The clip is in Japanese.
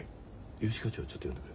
融資課長をちょっと呼んでくれ。